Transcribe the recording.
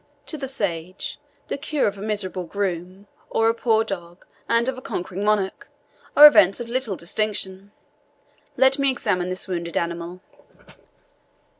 To the sage, the cure of a miserable groom, of a poor dog and of a conquering monarch, are events of little distinction. Let me examine this wounded animal."